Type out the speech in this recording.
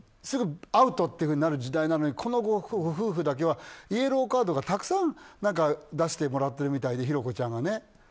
すぐアウトとなる時代なのにこのご夫婦だけはイエローカードをたくさん出してもらってるみたいで寛子ちゃんが。